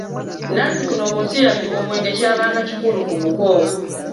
Nazikuno mu nsi yattu omwenge kyabanga kikulu ku buko.